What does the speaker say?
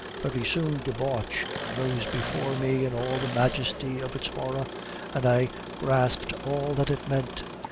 "Very soon Debauch rose before me in all the majesty of its horror, and I grasped all that it meant.